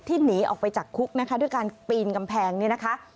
หนีออกไปจากคุกนะคะด้วยการปีนกำแพงเนี่ยนะคะ